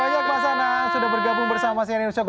terima kasih banyak mas anang sudah bergabung bersama si anirsog